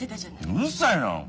うるさいなあ！